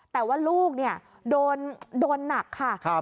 แปลว่าลูกโดนหนักค่ะ